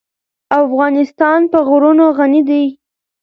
افغانستان په غرونه غني دی.